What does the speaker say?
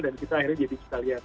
dan kita akhirnya jadi kita lihat